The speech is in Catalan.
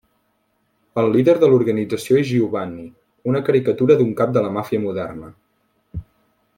El líder de l'organització és Giovanni, una caricatura d'un cap de la màfia moderna.